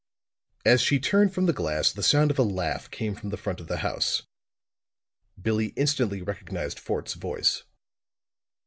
As she turned from the glass the sound of a laugh came from the front of the house. Billie instantly recognized Fort's voice.